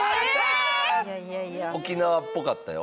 沖縄っぽかったよ。